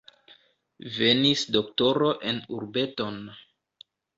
Venis doktoro en urbeton.